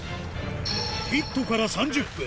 ヒットから３０分